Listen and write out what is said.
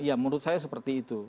ya menurut saya seperti itu